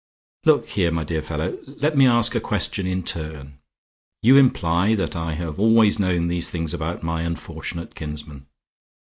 "Look here, my dear fellow. Let me ask a question in turn. You imply that I have always known these things about my unfortunate kinsmen.